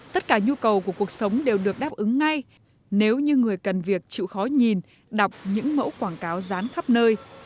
tất cả nhu cầu của cuộc sống đều được đáp ứng ngay nếu như người cần việc chịu khó nhìn đọc những mẫu quảng cáo rán khắp nơi